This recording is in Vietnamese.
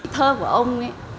thơ của ông ấy